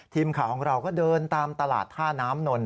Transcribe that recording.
ทีมข่าวของเราก็เดินตามตลาดท่าน้ำนนท